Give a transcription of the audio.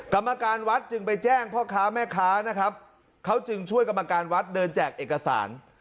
กรรมการวัดจึงไปแจ้งพ่อค้าแม่ค้านะครับเขาจึงช่วยกรรมการวัดเดินแจกเอกสาร